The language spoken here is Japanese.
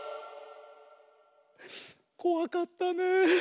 こわかったねえ。